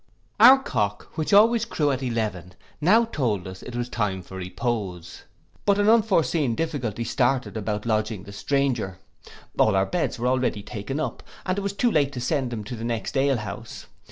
Our cock, which always crew at eleven, now told us it was time for repose; but an unforeseen difficulty started about lodging the stranger: all our beds were already taken up, and it was too late to send him to the next alehouse.